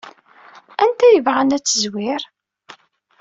Anta ay yebɣan ad tezwir?